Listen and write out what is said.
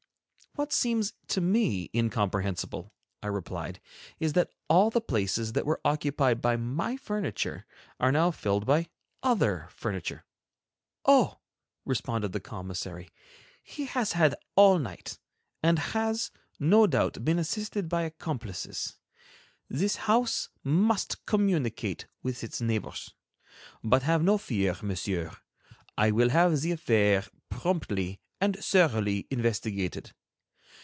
"What seems to me incomprehensible," I replied, "is that all the places that were occupied by my furniture are now filled by other furniture." "Oh!" responded the commissary, "he has had all night, and has no doubt been assisted by accomplices. This house must communicate with its neighbors. But have no fear, Monsieur; I will have the affair promptly and thoroughly investigated.